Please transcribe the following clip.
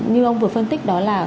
như ông vừa phân tích đó là